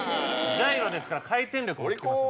ジャイロですから回転力もつきます。